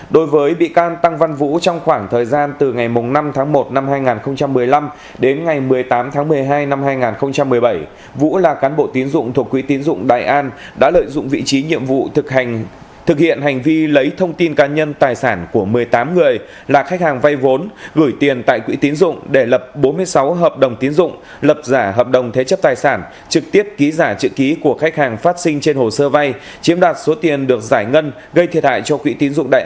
đối với bị can tăng văn vũ trong khoảng thời gian từ ngày năm tháng một năm hai nghìn một mươi năm đến ngày một mươi tám tháng một mươi hai năm hai nghìn một mươi bảy vũ là cán bộ tín dụng thuộc quỹ tín dụng đại an đã lợi dụng vị trí nhiệm vụ thực hiện hành vi lấy thông tin cá nhân tài sản của một mươi tám người là khách hàng vai vốn gửi tiền tại quỹ tín dụng để lập bốn mươi sáu hợp đồng tín dụng lập giả hợp đồng thế chấp tài sản trực tiếp ký giả chữ ký của khách hàng phát sinh trên hồ sơ vai chiếm đoạt số tiền được giải ngân gây thiệt hại cho quỹ tín dụng đại an